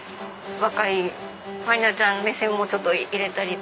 若い茉里奈ちゃんの目線もちょっと入れたり。